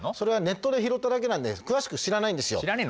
ネットで拾っただけなので詳しく知らないんですよ。